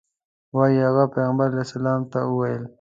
وایي هغوی پیغمبر صلی الله علیه وسلم ته وویل.